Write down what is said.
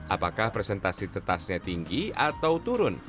apakah presentasi tetasnya tinggi atau turun